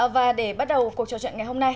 và để bắt đầu cuộc trò chuyện ngày hôm nay